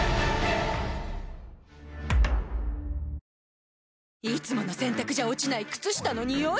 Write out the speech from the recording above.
「メリット」いつもの洗たくじゃ落ちない靴下のニオイ